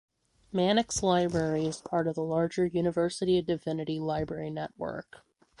Mannix Library is part of the larger University of Divinity library network.